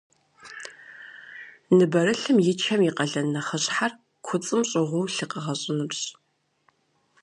Ныбэрылъым и чэм и къалэн нэхъыщхьэр куцӏым щӏыгъуу лъы къэгъэщӏынырщ.